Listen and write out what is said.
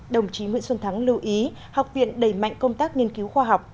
đồng chí nguyễn xuân thắng lưu ý học viện đầy mạnh công tác nghiên cứu khoa học